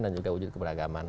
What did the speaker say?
dan juga wujud keberagaman